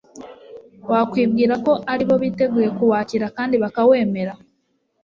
wakwibwira ko ari bo biteguye kuwakira kandi bakawemera.